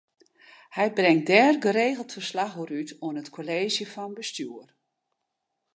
Hy bringt dêr geregeld ferslach oer út oan it Kolleezje fan Bestjoer.